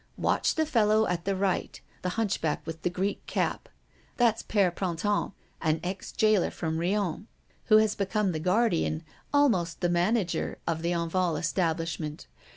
Watch the fellow at the right, the hunchback with the Greek cap! That's Père Printemps, an ex jailer from Riom, who has become the guardian, almost the manager, of the Enval establishment.